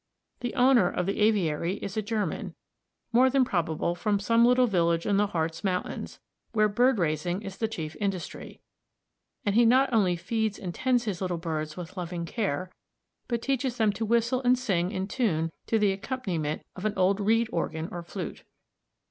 The owner of the aviary is a German more than probable from some little village in the Hartz Mountains, where bird raising is the chief industry, and he not only feeds and tends his little birds with loving care, but teaches them to whistle and sing in tune to the accompaniment of an old reed organ or flute.